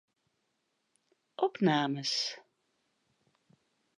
Opnames.